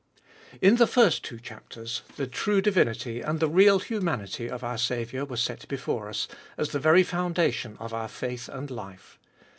1 IN the first two chapters the true divinity and the real humanity of our Saviour were set before us, as the very foundation of our faith and life.